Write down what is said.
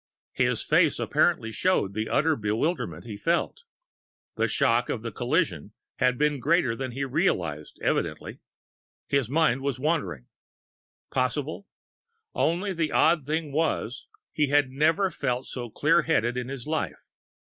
His face, apparently, showed the utter bewilderment he felt. The shock of the collision had been greater than he realised evidently. His mind was wandering.... Possibly! Only the odd thing was he had never felt so clear headed in his life.